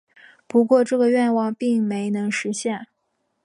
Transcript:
不过这个愿望并没能实现。